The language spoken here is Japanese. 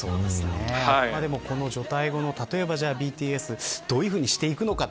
この除隊後の例えばＢＴＳどういうふうにしていくのか。